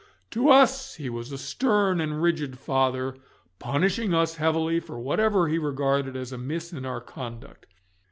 To us he was a stern and rigid father, punishing us heavily for whatever he regarded as amiss in our conduct.